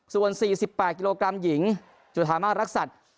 ส่วน๔๘กิโลกรัมหญิงจุธามารักษัตริย์